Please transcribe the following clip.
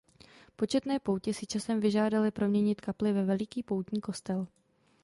Početné poutě si časem vyžádaly proměnit kapli ve veliký poutní kostel.